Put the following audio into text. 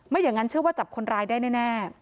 อย่างนั้นเชื่อว่าจับคนร้ายได้แน่